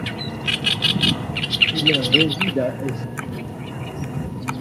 Il réside à St.